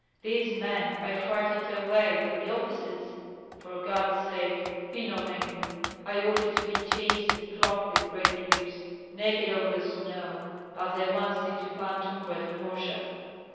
These men I frightened away, but the officers for God's sake be not angry! I ordered to be chased and flogged with braided whips, naked over the snow, as I once did to Pan Tumgrat in Orsha."